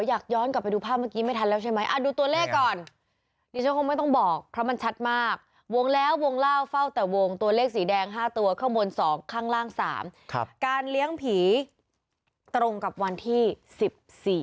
หรี่เฮวมบรนสองข้างล่างสามครับการเลี้ยงผีตรงกับวันที่สิบสี่